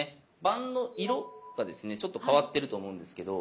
盤の色がですねちょっと変わってると思うんですけど。